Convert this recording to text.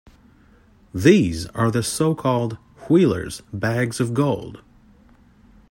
These are the so-called "Wheeler's bags of gold".